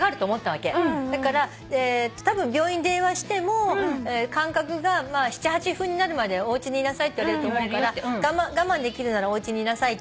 だからたぶん病院に電話しても間隔が７８分になるまでおうちにいなさいって言われると思うから我慢できるならおうちにいなさいと。